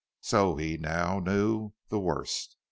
So he now, knew the worst.